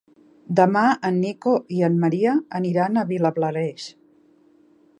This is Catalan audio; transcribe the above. Demà en Nico i en Maria aniran a Vilablareix.